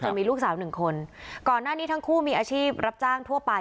มีลูกสาวหนึ่งคนก่อนหน้านี้ทั้งคู่มีอาชีพรับจ้างทั่วไป